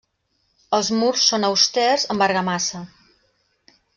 Els murs són austers amb argamassa.